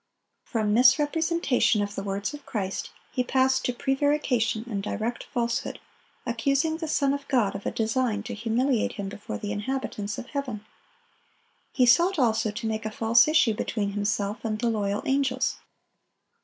From misrepresentation of the words of Christ, he passed to prevarication and direct falsehood, accusing the Son of God of a design to humiliate him before the inhabitants of heaven. He sought also to make a false issue between himself and the loyal angels.